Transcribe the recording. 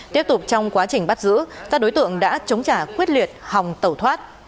tiếp tục trong quá trình bắt giữ các đối tượng đã chống trả quyết liệt hòng tẩu thoát